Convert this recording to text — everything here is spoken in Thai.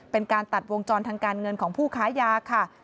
เป็นการตัดวงจรทางการเงินของผู้ค้ายาค่ะ